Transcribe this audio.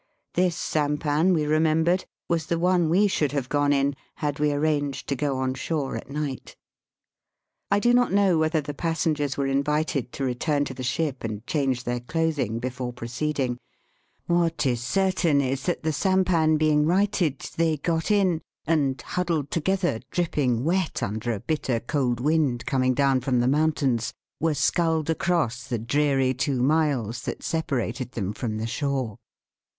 This sampan, we remembered, was the one we should have gone in had we arranged to go on shore at night. I do not know whether the passengers were invited to return to the ship and change their clothing before proceeding. What is certain is that the sampan being righted they got in, and, huddled together dripping wet under a bitter cold wind coming down from the mountains, were sculled across the dreary two miles that separated them from the shore.